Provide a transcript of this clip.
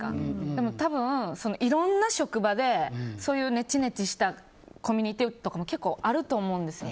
でも、多分いろんな職場でそういうネチネチしたコミュニティーとかも結構あると思うんですよ。